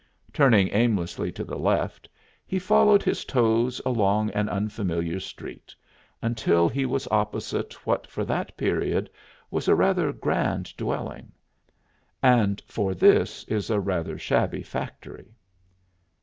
Turning aimlessly to the left he followed his toes along an unfamiliar street until he was opposite what for that period was a rather grand dwelling, and for this is a rather shabby factory.